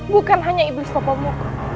bukan hanya iblis topomu